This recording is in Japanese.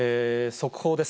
速報です。